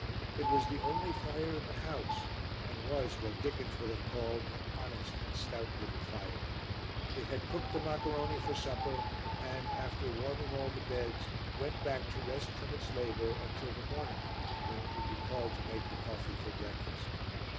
It was the only fire in the house and was what Dickens would have called an honest and stout little fire. It had cooked the maccaroni for supper and, after warming all the beds, went back to rest from its labour until the morning when it would be called to make the coffee for breakfast.